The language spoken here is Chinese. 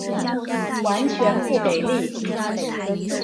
完全不给力